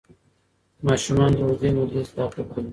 ماشومان له اوږدې مودې زده کړه کوي.